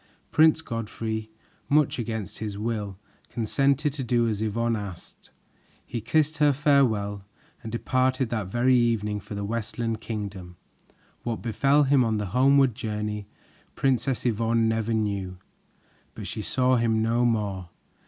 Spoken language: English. Prince Godfrey, much against his will, consented to do as Yvonne asked. He kissed her farewell and departed that very evening for the Westland Kingdom. What befell him on the homeward journey, Princess Yvonne never knew, but she saw him no more.